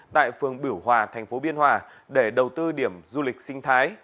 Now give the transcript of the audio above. tại phường biểu hòa thành phố biên hòa để đầu tư điểm du lịch sinh thái